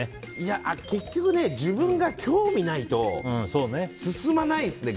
結局、自分が興味ないと進まないですね。